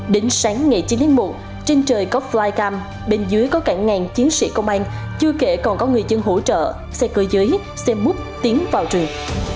đến sáng ngày chín tháng một trên trời có flycam bên dưới có cả ngàn chiến sĩ công an chưa kể còn có người dân hỗ trợ xe cơ giới xe bút tiến vào rừng